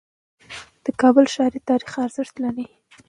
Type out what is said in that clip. د کابل ښار تاریخي ارزښت لري.